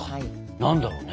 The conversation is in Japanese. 何だろうね。